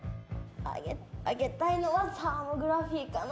あげたいのはサーモグラフィかな